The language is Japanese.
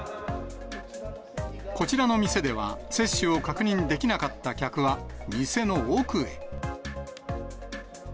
こちらの店では、接種を確認できなかった客は、店の奥へ。